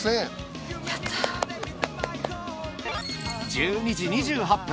１２時２８分